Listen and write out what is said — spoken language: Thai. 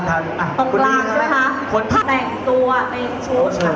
ตรงกลางใช่ไหมคะแต่งตัวในชุด